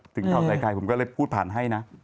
ข่าวใส่ไข่ผมก็เลยพูดผ่านให้นะ